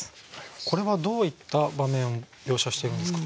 これはどういった場面描写しているんですか？